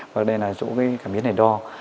và đây là chỗ cái cảm biến để đo